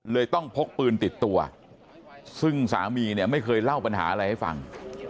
ต้องพกปืนติดตัวซึ่งสามีเนี่ยไม่เคยเล่าปัญหาอะไรให้ฟัง